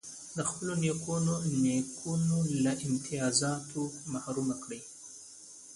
د خپلو نیکونو له امتیازاتو محروم کړ.